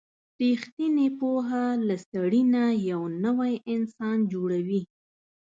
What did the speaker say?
رښتینې پوهه له سړي نه یو نوی انسان جوړوي.